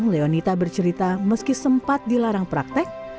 leonita bercerita meski sempat dilarang praktek